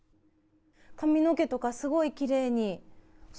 髪の毛とか、すごいきれいに。